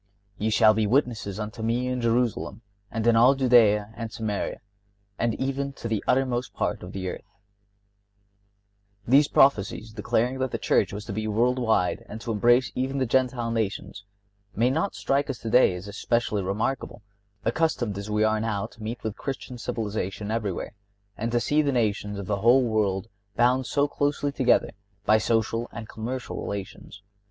(59) "Ye shall be witnesses unto Me in Jerusalem, and in all Judea, and Samaria, and even to the uttermost part of the earth."(60) These prophecies declaring that the Church was to be world wide and to embrace even the Gentile nations may not strike us today as especially remarkable, accustomed as we are now to meet with Christian civilization everywhere, and to see the nations of the world bound so closely together by social and commercial relations.